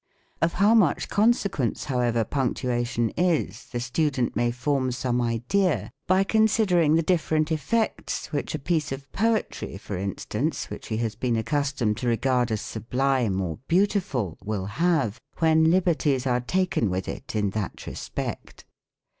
Of how much consequence, however, Punctuation is, the student may form some idea, by considering the different effects which a piece of poetry, for instance, which he has been accustomed to regard as sublime or beautiful, will have, when liberties are taken with it in that respect.